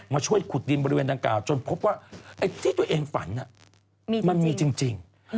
ช่วยขุดดินบริเวณดังกล่าวจนพบว่าไอ้ที่ตัวเองฝันมันมีจริง